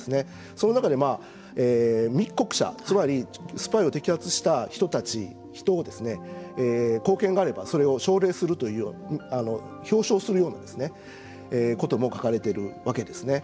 その中で密告者つまりスパイを摘発した人を、貢献があればそれを奨励するという表彰するようなことも書かれているわけですね。